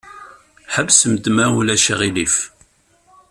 Ḥebsemt, ma ulac aɣilif.